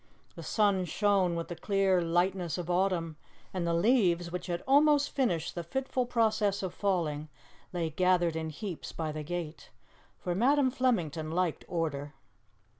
The sun shone with the clear lightness of autumn, and the leaves, which had almost finished the fitful process of falling, lay gathered in heaps by the gate, for Madam Flemington liked order.